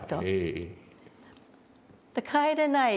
帰れない。